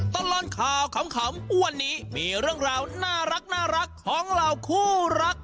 ตลอดข่าวขำวันนี้มีเรื่องราวน่ารักของเหล่าคู่รัก